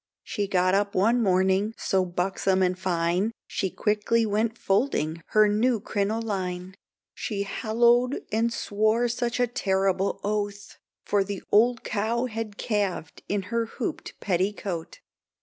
She got up one morning, so buxom and fine, She quickly went folding her new crinoline, She holloaed and swore such a terrible oath, For the old cow had calved in her hooped petticoat.